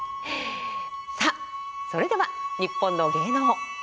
さあそれでは「にっぽんの芸能」。